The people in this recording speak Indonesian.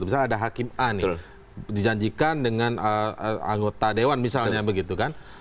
misalnya ada hakim a nih dijanjikan dengan anggota dewan misalnya begitu kan